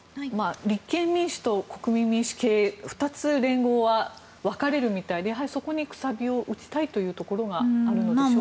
立憲民主と国民民主系で２つ、連合は分かれるみたいでそこにくさびを打ちたいというところがあるんでしょうか。